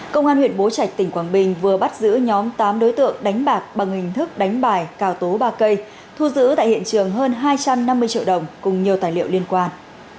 công an huyện bố trạch tỉnh quảng bình vừa bắt giữ nhóm tám đối tượng đánh bạc bằng hình thức đánh bài cào tố ba cây thu giữ tại hiện trường hơn hai trăm năm mươi triệu đồng cùng nhiều tài liệu liên quan